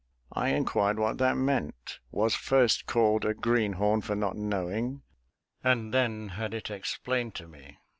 I inquired what that meant, was first called a greenhorn for not knowing, and then had it explained to me.